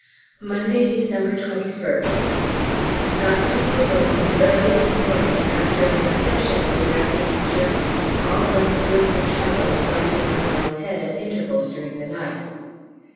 Monday, December 21st. Got to Boulogne early this morning after an exceptionally rackety journey, all one's goods and chattels dropping on one's head at intervals during the night.